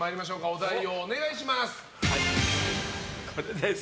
お題をお願いします。